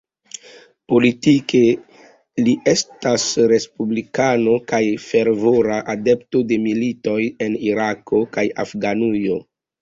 Politike li estas respublikano kaj fervora adepto de militoj en Irako kaj Afganujo.